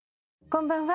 こんばんは。